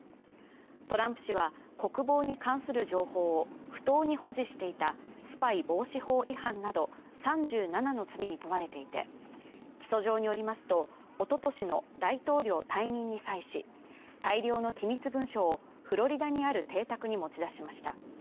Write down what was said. トランプ氏は、国防に関する情報を不当に保持していたスパイ防止法違反など３７の罪に問われていて起訴状によりますと、おととしの大統領退任に際し大量の機密文書をフロリダにある邸宅に持ち出しました。